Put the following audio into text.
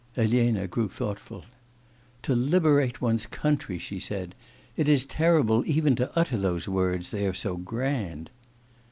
Elena grew thoughtful. 'To liberate one's country!' she said. 'It is terrible even to utter those words, they are so grand.